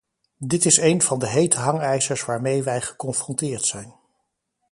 Dit is een van de hete hangijzers waarmee wij geconfronteerd zijn.